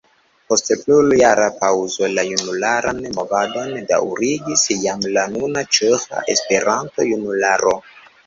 Post plurjara paŭzo la junularan movadon daŭrigis jam la nuna Ĉeĥa Esperanto-Junularo.